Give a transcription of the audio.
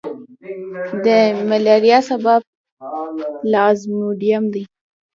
د ملیریا سبب پلازموډیم دی.